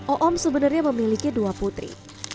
oom sebenarnya memiliki dua putri